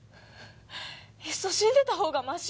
いっそ死んでた方がまし。